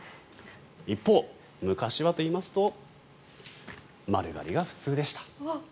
一方、昔はといいますと丸刈りが普通でした。